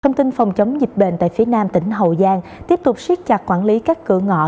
thông tin phòng chống dịch bệnh tại phía nam tỉnh hậu giang tiếp tục siết chặt quản lý các cửa ngõ